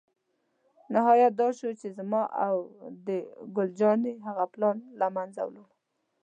نهایت دا شو چې زما او د ګل جانې هغه پلان له منځه ولاړ.